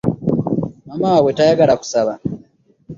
Maama waabwe tayagala kusaba.